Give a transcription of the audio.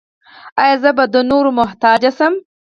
ایا زه به د نورو محتاج شم؟